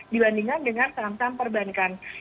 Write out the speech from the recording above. dibandingkan dengan saham saham perusahaan batubara